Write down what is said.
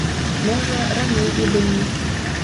Можа, раней і былі.